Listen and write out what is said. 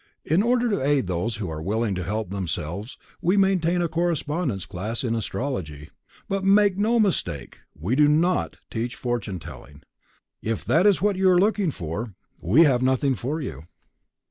In order to aid those who are willing to help themselves we maintain a Correspondence Class in Astrology, but make no mistake, we do not teach fortune telling; if that is what you are looking for, we have nothing for you.